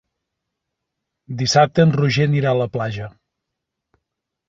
Dissabte en Roger anirà a la platja.